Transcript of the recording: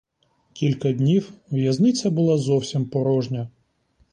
Кілька днів в'язниця була зовсім порожня.